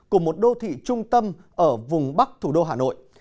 của một đô thị trung tâm ở vùng bắc thủ đô hà nội